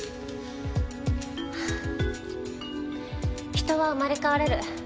人は生まれ変われる。